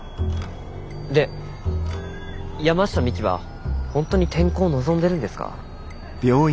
で山下未希は本当に転校を望んでるんですか？